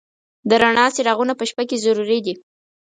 د رڼا څراغونه په شپه کې ضروري دي.